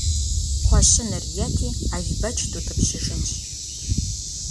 Кхъуэщыныр ети, Албэч дутӀыпщыжынщ.